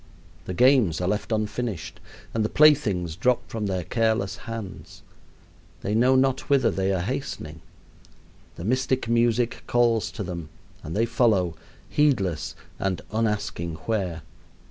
The games are left unfinished and the playthings drop from their careless hands. They know not whither they are hastening. The mystic music calls to them, and they follow, heedless and unasking where.